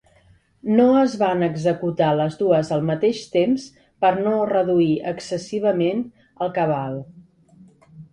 No es van executar les dues al mateix temps per no reduir excessivament el cabal.